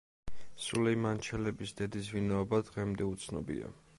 სულეიმან ჩელების დედის ვინაობა დღემდე უცნობია.